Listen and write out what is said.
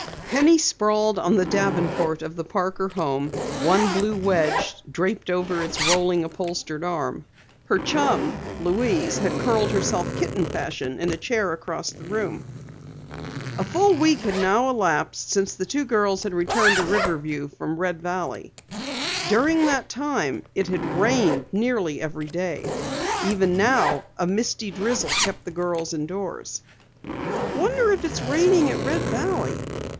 Penny sprawled on the davenport of the Parker home, one blue wedge draped over its rolling upholstered arm. Her chum, Louise, had curled herself kitten fashion in a chair across the room. A full week now had elapsed since the two girls had returned to Riverview from Red Valley. During that time it had rained nearly every day. Even now, a misty drizzle kept the girls indoors. "Wonder if it's raining at Red Valley?"